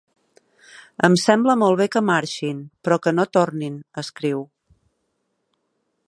Em sembla molt bé que marxin, però que no tornin, escriu.